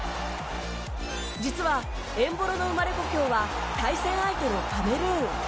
実は、エンボロの生まれ故郷は対戦相手のカメルーン。